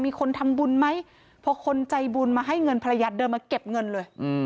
มีคนทำบุญไหมพอคนใจบุญมาให้เงินภรรยาเดินมาเก็บเงินเลย